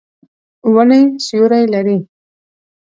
ونې سیوری لري.